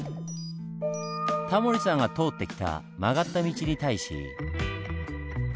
タモリさんが通ってきた曲がった道に対し。